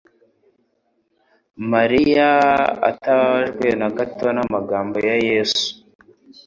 Mariya atababajwe na gato n'amagambo ya Yesu,